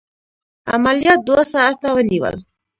عملیات دوه ساعته ونیول.